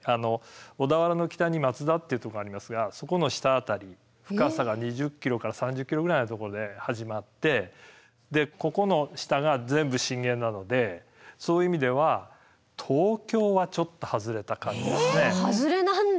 小田原の北に松田っていうとこがありますがそこの下辺り深さが２０ｋｍから３０ｋｍぐらいのところで始まってでここの下が全部震源なのでそういう意味では外れなんだ。